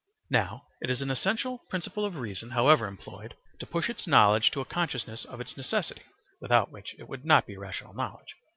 Now it is an essential principle of reason, however employed, to push its knowledge to a consciousness of its necessity (without which it would not be rational knowledge).